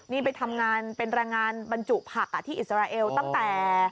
นี่ไปทำงานเป็นแรงงานบรรจุผักที่อิสราเอลตั้งแต่